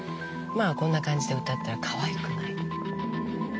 こんな感じで歌ったらかわいくない。